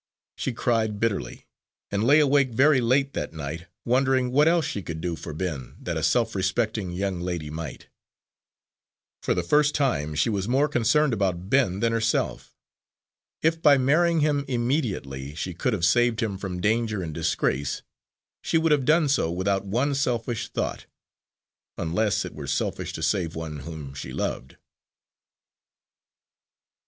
She cried bitterly, and lay awake very late that night, wondering what else she could do for Ben that a self respecting young lady might. For the first time, she was more concerned about Ben than about herself. If by marrying him immediately she could have saved him from danger and disgrace she would have done so without one selfish thought unless it were selfish to save one whom she loved.